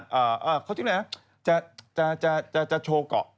จะโชว์เกาะเชชูของเขา